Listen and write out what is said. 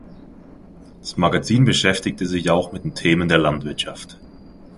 Das Magazin beschäftigte sich auch mit den Themen der Landwirtschaft.